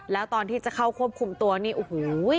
แล้วตอนที่จะเข้าควบคุมตัวนี่โอ้โห